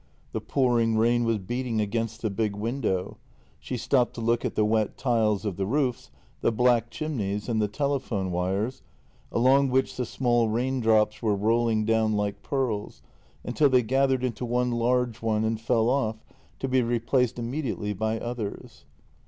The pouring rain was beating against the big window. She stopped to look at the wet tiles of the roofs, the black chimneys, and the telephone wires, along which the small raindrops were rolling down like pearls until they gathered into one large one and fell off, to be replaced immediately by others.